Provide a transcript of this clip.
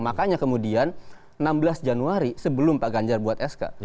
makanya kemudian enam belas januari sebelum pak ganjar buat sk